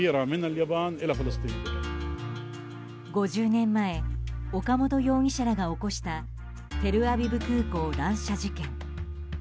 ５０年前岡本容疑者らが起こしたテルアビブ空港乱射事件。